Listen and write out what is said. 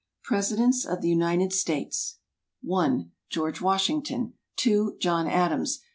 Presidents of the United States (1) George Washington. (2) John Adams.